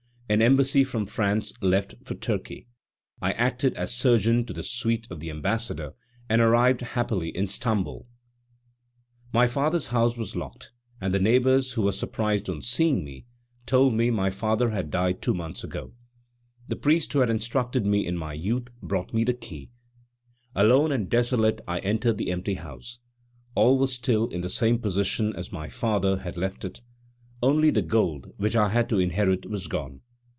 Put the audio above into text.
An embassy from France left for Turkey. I acted as surgeon to the suite of the Ambassador and arrived happily in Stamboul. My father's house was locked, and the neighbors, who were surprised on seeing me, told me my father had died two months ago. The priest who had instructed me in my youth brought me the key; alone and desolate I entered the empty house. All was still in the same position as my father had left it, only the gold which I was to inherit was gone.